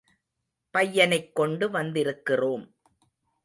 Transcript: பையனைக் கொண்டு வந்திருக்கிறோம்.